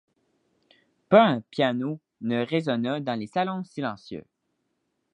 Pas un piano ne résonna dans les salons silencieux.